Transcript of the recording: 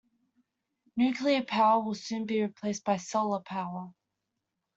Nuclear power will soon be replaced by solar power.